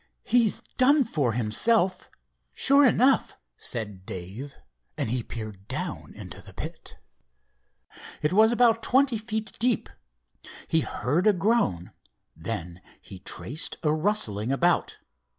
"He's done for himself, sure enough," said Dave, and he peered down into the pit. It was about twenty feet deep. He heard a groan. Then he traced a rustling about.